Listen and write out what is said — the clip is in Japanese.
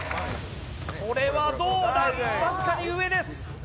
これはどうだ、僅かに上です。